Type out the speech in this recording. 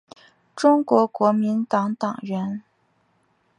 中国国民党党员。